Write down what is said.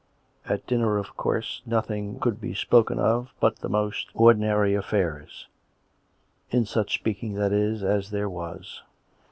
At dinner, of course, nothing could be spoken of but the IDOst ordinary affairs — in such speaking, that is, as there ^as.